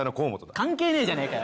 関係ねえじゃねえかよ！